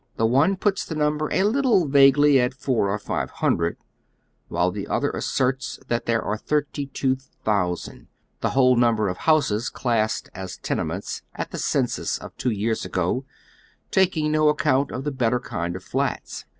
The one puts the number a little vaguely at four or five hundred, while the other asserts that there are thirty two thousand, the whole number of houses classed as tenements at the census of two years ago, taking no account of the better kind of flats.